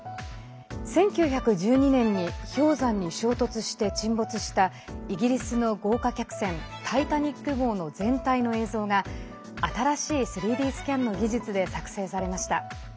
１９１２年に氷山に衝突して沈没したイギリスの豪華客船タイタニック号の全体の映像が新しい３Ｄスキャンの技術で作成されました。